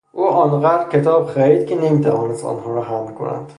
او آن قدر کتاب خرید که نمیتوانست آنها را حمل کند.